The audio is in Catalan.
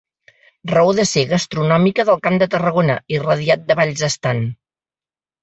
Raó de ser gastronòmica del Camp de Tarragona, irradiat de Valls estant.